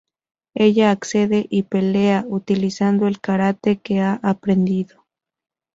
Ella accede y pelea, utilizando el karate que ha aprendido.